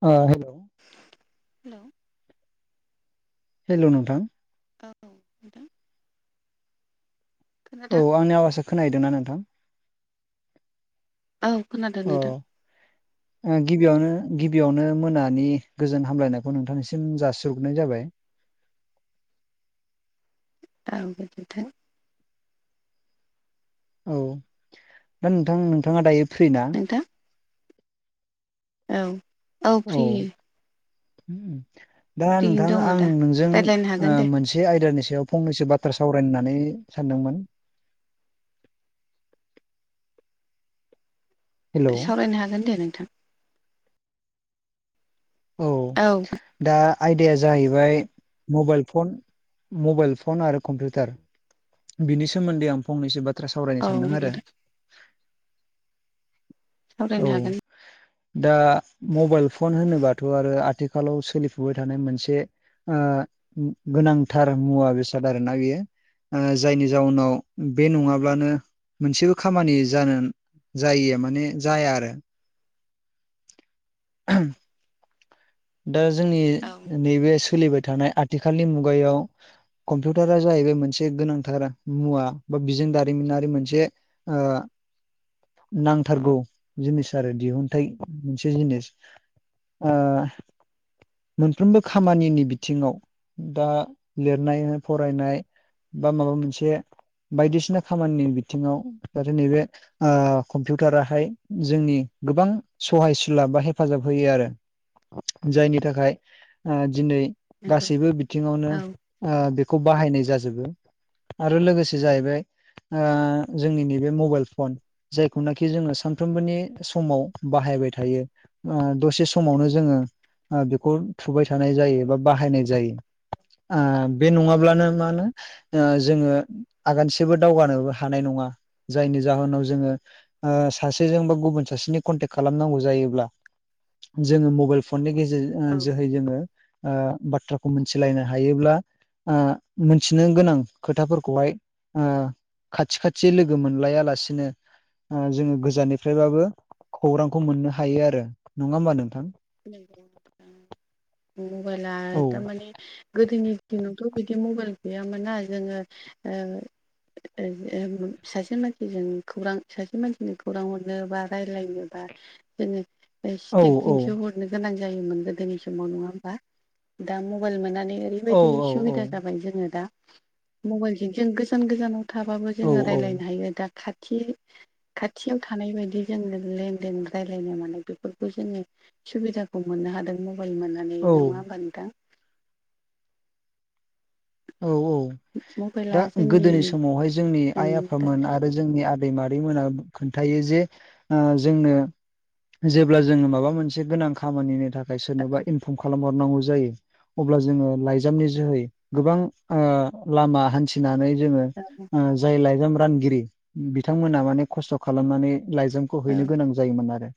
ओ hello hello नोंथां औ नोंथां औ खोनादों आंनि आवासा खोनाहैदोंना नोंथां औ खोनादों नोंथां अ गिबियावनो गिबियावनो मोनानि गोजोन हामलायनायखौ नोंथांनिसिम जासिहरग्रोनाय जाबाय [unintelligible] औ दा नोंथां नोंथाङा दायो फ्रि ना नोंथां औ औ फ्रि दा फ्रियैनो नोंथां दङ आं दा नोंजों रायज्लायनो ओ हागोन दे मोनसे से आयदानि सायाव फंनैसो बाथ्रा सावरायनो होननानै सानदोंमोन। हेलौ सावरायनो हागोन दे नोंथां। औ दा आयदाया जाहैबाय मबाइल फन मबाइल फन आरो कम्पिउटार। बिनि सोमोन्दै आं फंनैसो बाथ्रा सावरायनो औ सानदों आरो। नोंथां औ सावरायनो हागोन दा मबाइल फन होनोबा थ' आरो आथिखालाव सोलिफुबाय थानाय मोनसे ओ गोनांथार मुवा बेसाद आरोना बियो ओ जायनि जाउनाव बे नंङाब्लानो मोनसेबो खामानि जानो जायिया माने जाया आरो। आहाम दा जोंनि औ नैबे सोलिबाय थानाय आथ आथिखालनि मुगायाव कम्पिउटारा जाहैबाय मोनसे गोनांथारा मुवा बा बिजों दारिमिनारि मोनसे ओ नांथारगौ जिनिस आरो दिहुनथाइ मोनसे जिनिस। ओ मोनफ्रोमबो खामानिनि बिथिंङाव दा लिरनाय फरायनाय बा माबा मोनसे बायदिसिना खामानिनि बिथिंङाव जाहाथे नैबे ओ कम्पिउटाराहाय जोंनि गोबां सहायसुला बा हेफ हेफाजाब होयो आरो। जायनि थाखाय ओ दिनै नंगौ गासैबो बिथिंङावनो औ ओ बेखौ बाहायनाय जाजोबो। आरो लोगोसे जाहैबाय ओ जोंनि नैबे मबाइल फन जायखौनाखि जोंङो सानफ्रोमबोनि समाव बाहायबाय थायो। ओ दसे समावनो जोंङो ओ बेखौ थुबाय थानाय जायो बा बाहायनाय जायो। आ बे नंङाब्लानो मा होनो ओ जोंङो आगानसेबो औ दावगानोबो हानाय नंङा जायनि जाहोनाव जोंङो ओ सासेजोंबो गुबुन सासेनि कनटेक्ट खालामनांगौ जायोब्ला जोंङो मबाइल फननि गेजेरजों ओ जोहै जोंङो ओ बाथ्राखौ मोनथिलायनो हायोब्ला ओ मोनथिनो गोनां खोथाफोरखौहाय ओ खाथि खाथि लोगो मोनलायालासिनो ओ जोंङो गोजाननिफ्रायबाबो खौरांखौ मोननो हायो आरो। नंङा होमबा नोंथां? मबाइला औ दा माने गोदोनि दिनावथ' बिदि मबाइल गैयामोनना जोंङो ओ ओ ओम सासे मानसिजों खौरां सासे मानसिनो खौरां हरनो बा रायलायनो बा [unintelligible] ओ औ औ स्टिकजोंसो हरनो गोनां जायोमोन गोदोनि समाव नंङा होमबा? दा मबाइल मोननानै औ बेबायदि औ औ सुबिदा जाबाय जोंङो दा मबाइलजों गोजान गोजानाव थाबाबो औ जोंङो रायलायनो हायो दा खाथि खाथियाव थानाय बायदि जोंङो लेनदेन रायलायनो मोनो बेफोरखौ जोंङो। सुबिदाखौ मोननो हादों मबाइल मोननानै औ नंङा होमबा नोंथां? औ औ मबाइला दा जोंनि गोदोनि समावहाय जोंनि ओं आइ दा आफामोन आरो जोंनि आदै मादैमोना खोन्थायो जे ओ जोंनो जेब्ला जोंङो माबा मोनसे गोनां खामानिनि थाखा फ्राय सोरनोबा इनफर्म खालामहरनांगौ जायो अब्ला जोंङो लाइजामनि जोहै गोबां ओ लामा हान्थिनानै जोंङो ओ जाय लाइजाम रानगिरि बिथांमोना माने खस्थ' खालामनानै लाइजामखौ औ हैनो गोनां जा जायोमोन आरो।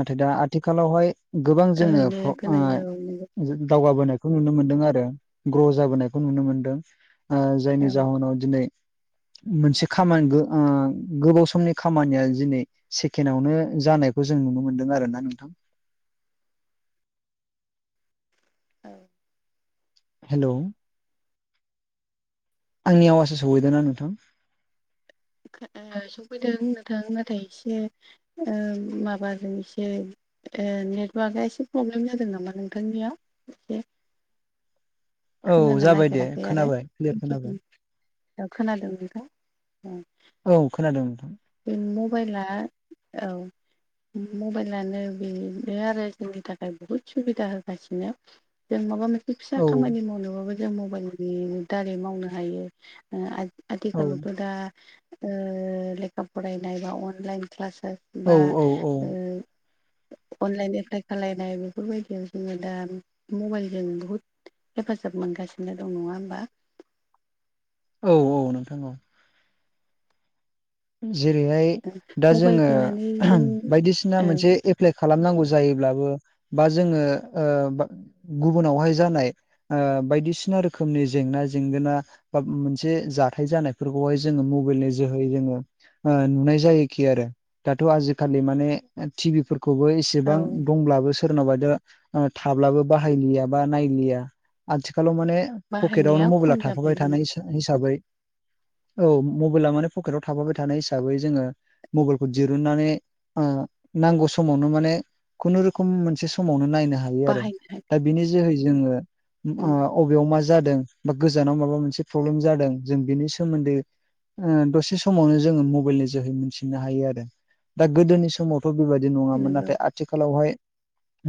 नाथाय दा आथिखालावहाय गोबां जोंङो ओरैनो फ्र गोनां औ नंगौ ओ जों दावगाबोनायखौ नुनो मोनदों आरो ग्र' जाबोनायखौ नुनो मोनदों। ओ जायनि औ जाहोनाव दिनै मोनसे खामानिबो ओ गोबाव सम समनि खामानिया दिनै सेकेणडआवनो जानायखौ जों नुनो मोन्दों आरो ना नोंथां। औ। हेल', आंनि आवासो सहैदों ना नोंथां। ओ सफैदों नोंथां नाथाय एसे माबा दों एसे ए नेटवार्कआ एसे प्रब्लेम जादों नामा नोंथांनियाव औ खोनानो जाबाय दे नागिराखै आरो खोनाबाय [unintelligible] क्लियार खोनाबाय [unintelligible] खोनादों नोंथां। औ खोनादों नोंथां। बे मबाइला औ उम मबाइलानो बेनो आरो जोंनि थाखाय बहुद सुबिदा होगासिनो। जों माबा मोनसे फिसा औ खामानि मावनोबाबो जों मबाइलनि दारै मावनो हायो। ओ औ आथिखालावथ' दा ओ लेखा फरायनाय बा अनलाइन क्लास बा औ औ औ ओ अनलाइन एप्लाइ खालायनाय बेफोरबायदियाव जोङो दा मबाइलजों बुहुद हेफाजाब मोनगासिनो दं नङा होमबा। औ औ नोंथां औ। जेरैहाय दा मबाइल जोङो फैनानै जों बायदिसिना औ मोनसे ए एप्लाइ खालामनांगौ जायोब्लाबो बा जोङो ओ गुबुनावहाय जानाय ओ बायदिसिना रोखोमनि जेंना जेंगोना बा मोनसे जाथाय जानायफोरखौहाय जोङो मबाइलनि जोहै जोङो ओ नुनाय जायोखि आरो दाथ' आजिखालि माने टिभि फोरखौबो एसे [unintelligible] औ दंब्लाबो सोरनावबा दा थाब्लाबो बाहायलिया बा नायलिया आथिखालाव माने पकेटावनो बाहायनाया मबाइला खम जाबाय थाफाबाय थानाय हिसाबै औ मबाइला माने पकेटाव थाफाबाय था थानाय हिसाबै जोङो मबाइलखौ दिरुननानै ओ नांगौ समावनो माने खुनुरुखुम मोनसे समावनो नायनो हागोन। [unintelligible] आरो बाहायनाय दा बिनि जोहै जोङो उम अबेयाव मा जा जादों बा गोजानाव माबा मोनसे प्रब्लेम जादों जों बिनि सोमोन्दै ओ दसे समावनो जोङो मबाइलनि जोहै मोनथिनो हायो आरो दा गोदोनि समावथ' बेबायदि नङामोन नंगौ नाथाय आ आथिखालावहाय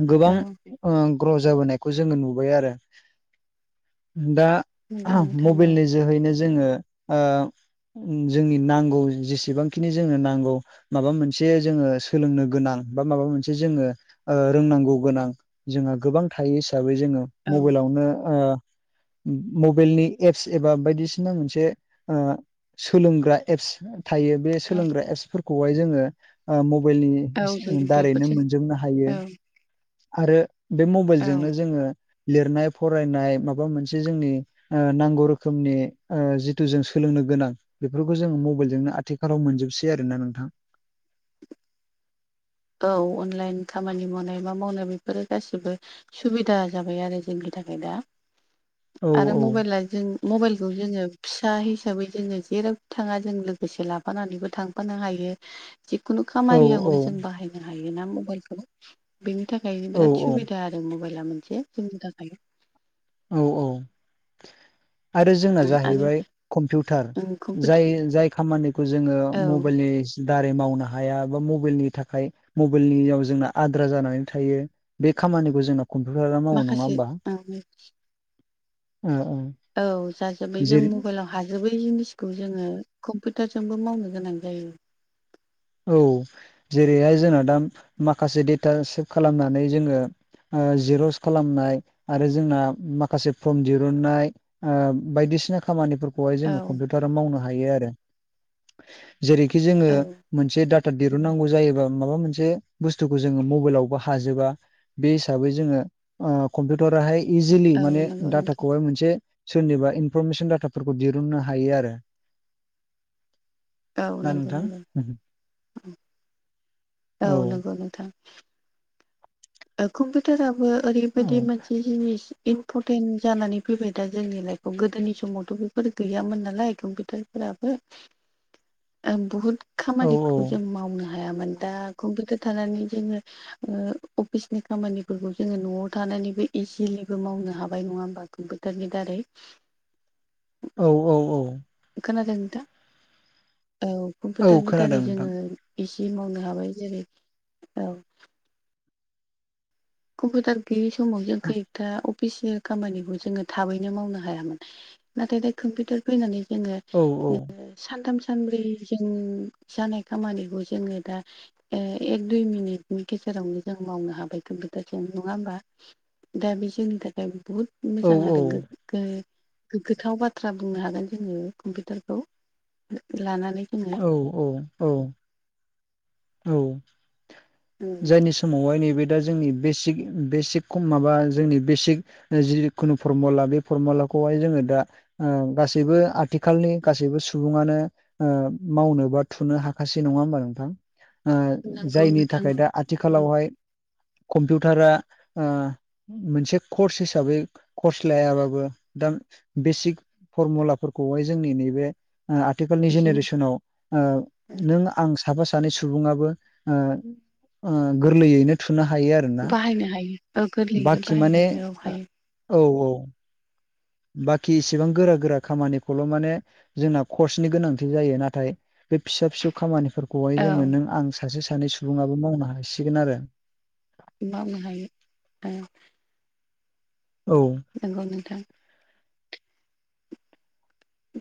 गोबां औ ओ ग्र' जाबोनायखौ जोङो नुबाय आरो। दा नंगौ नोंथां औ मबाइलनि जोहैनो जोङो ओ जोंनि नांगौ जेसेबांखिनि जोंनो नांगौ माबा मोनसे जोङो सोलोंनो गोनां बा माबा मोनसे जोङो। ओ रोंनांगौ गोनां जोंहा गोबां थायो हिसाबै जोङो। औ मबाइलावनो ओ। मबाइलनि एप्स एबा बायदिसिना मोनसे ओ सोलोंग्रा एप्स। थायो बे औ सोलोंग्रा एपसफोरखौहाय जोङो ओ औ जों मबाइलनि दारैनो बेफोरजों मोनजोबनो हायो औ आरो बे मबाइलजोंनो औ जोङो। लिरनाय फरायनाय माबा मोनसे जोंनि। ओ नांगौ रोखोमनि जिथु जों सोलोंनो गोनां बेफोरखौ जोङो मबाइलजोंनो खाथिखालाव मोनजोबसै आरो ना नोंथां। औ अनलाइन खामानि मावनाय मा मावनाय बेफोरो गासिबो सुबिदा जाबाय आरो जोंनि थाखाय दा औ आरो औ मबाइला जों मबाइलखौ जोङो फिसा हिसाबै जोङो जेराव थाङा जों लोगोसे लाफानानैबो थाङो। लांफानो हायोायो। जिखुनु औ औ खामानियावनो जों बाहायनो हायोना मबाइलखौ बेनि थाखायनो औ बिराद सुबिदा आरो। [unintelligible] मबाइला मोनसे सुबिदा। [unintelligible] औ औ आरो जोंना आरो जाहैबाय कम्पिउटार। ओं कम्पिउटार जाय जाय खामानिखौ जोङो औ मबाइलनि दारै मावनो हाया बा मबाइलनि थाखाय मबाइलनियाव जोंना आद्रा जानानै थायो। बे खामानिखौ जोंना कम्पिउटारा मावो नङा होमबा? औ। अ औ। औ जाजोब्बाय जों मबाइलाव हाजोबै जिनिसखौ जोङो कम्पिउटारजोंबो मावनो गोनां जायो। औ जेरैहाय जोंना दा माखासे डेटा सेभ खालामनानै जोङो ओ जिर'स खालामनाय आरो जोंना माखासे फर्म दिहुननाय बायदिसिना खामानिफोरखौ हाय जोङो औ कम्पिउटाराव मावनो हायो आरो जेरैखि जोङो औ मोनसे डाटा दिहुन नांगौ जायोबा माबा मोनसे बुस्थुखौ जोङो मबाइलावबो हाजोबा। बे हिसाबै जोङो कम्पिउटाराहाय इजिलि औ माने नंगौ नोंथां डाटाखौहाय मोनसे सोरनिबा इनफरमेसन डाटाफोरखौ दिहुननो हायो आरो। औ ना नंगौ नोंथां नंगौ औ नंगौ नोंथां। कम्पिउटाराबो औ ओरैबायदि मोनसे जिनिस इम्परटेन्ट जानानै फैबाय दा जोंनि लाइफआव गोदोनि समावथ' बेफोर गैयामोन नालाय कम्पिउटारफोराबो। [unintelligible] ओ बहुत औ खामानिफोरखौ जों मावनो हायामोन दा कम्पिउटार थानानै जोङो अफिसनि खामानिफोरखौ जोङो न'आव थानानैबो इजिलिबो मावनो हाबाय नङा होमबा कम्पिउटारनि दारै औ औ औ। खोनादों दा औ औ कम्पिउटारनि खोनादों दारै नोंथां जोङो इजि मावनो हाबाय जेरै औ। कम्पिउटार गोयै समाव जों [unintelligible] [unintelligible] खामानिखौ जोङो थाबैनो मावनो हायामोन नाथाय दा कम्पिउटार फैनानै जोङो औ औ। सानथाम सानब्रै जों जानाय खामानिखौ जोङो दा एक, दुइ मिनिटनि गेजेरावनो जों मावनो हाबाय [unintelligible] [unintelligible] नङा होमबा? दा बे जोंनि थाखाय बुहुद औ मोजां आरो। गो-गोगगाथाव बाथ्रा बुंनो हागोन जोङो कम्पिउटारखौ। लानानै जोङो औ औ औ। औ जायनि समावहाय नैबे दा जोंनि बेसिक बेसिकम माबा जोंनि बेसिक जिखुनु फरमुला बे फरमुलाखौहाय जोङो दा गासैबो आथिखालनि गासैबो सुबुङानो मावनो बा थुनो हाखाासै नङा होमबा नोंथां? नांगौ जायनि नोंथां थाखाय दा औ आथिखालावहाय कम्पिउटारा मोनसे कर्स हिसाबै कर्स लायाबाबो दा बेसिक फरमुलाफोरखौहाय जोंनि नैबे आथिखालनि जों जेनेरेसनाव नों आं साफा [unintelligible] सानै सुबुआबो ओ ओ गोरलैयैनो थुनो हायो आरोना बाहायनो हायो औ गोरलैयैनो बाखि बाहायनो माने हायो औ हायो औ औ। बाखि इसिबां गोरा- गोरा खामानिखौल' माने जोंना कर्सनि गोनांथि जायो नाथाय बे फिसा- फिसौ खामानिफोरखौहाय औ जोङो नों आं सासे -सानै सुबुङाबो मावनो हासिगोन आरो। मावनो हायो दा। औ। नोंगौ नोंथां।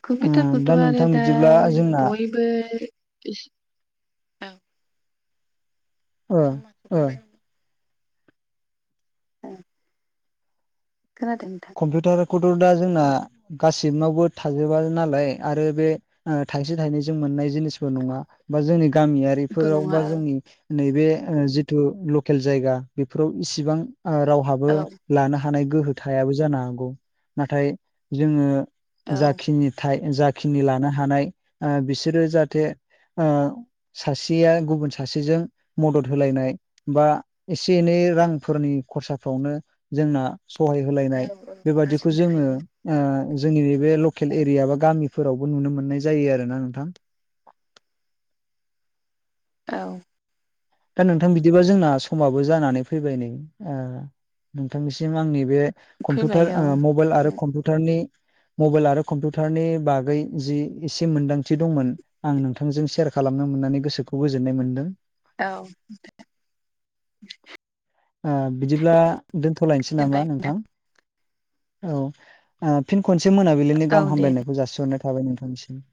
कम्पिउटारखौथ' दा आरो नोंथां दा बिदिब्ला जोंना बयबो ओ ओ [unintelligible] औ खोनादों नोंथां? कम्पिउटारखौथ' दा जोंना गासिनावबो थाजोबा नालाय आरो बे थाइसे थाइनैजों मोननाय जिनिसबो नंङा बा जोंनि गामियारि बो बेफोराव नङा बा औ जोंनि नैबे जिथु लकेल जायगा बेफोराव इसेबां रावहाबो औ लानो हानाय गोहो थायाबो जानो हागौ नाथाय जोंङो औ जाखिनि थ जाखिनि लानो हानाय बिसोरो जाहाथे सासेया गुबुन सासेजों मदद होलायनाय। बा एसे एनै रांफोरनि खरसाफ्रावनो जोंना सहाय औ होलायनाय बेबादिखौ हारसिं जोंङो थायो जोंनि बे लकेल एरिया बा गामि फोरावबो नुनो मोननाय जायो आरो ना नोंथां? औव दा नोंथां बिदिबा जोंना समाबो जानानै फैबाय नै नोंथांनिसिम आंनि बे फैबाय कम्पिउटार औ मबाइल आरो कम्पिउटारनि मबाइल आरो कम्पिउटारनि बागै जि एसे मोनदांथि दंमोन। आं नोंथांजों सेयार खालामनो मोननानै गोसोखौ गोजोननाय मोनदों। औव बिदिब्ला दोनथ'लायनोसै नामा नोंथां? औव फिन खनसे मोनाबिलिनि औ गाहाम दे दे हामलायनायखौ जासिहरनाय थाबाय नोंथांनिसिम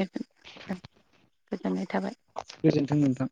गो गोजोननाय थाबाय गोजोन्थों नोंथां।